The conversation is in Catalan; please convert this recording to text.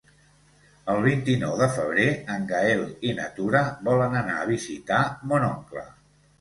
El vint-i-nou de febrer en Gaël i na Tura volen anar a visitar mon oncle.